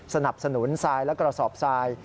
สนับสนุนทรายและกระสอบทราย